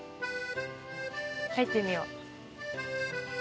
入ってみよう。